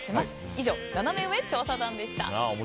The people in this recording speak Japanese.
以上、ナナメ上調査団でした。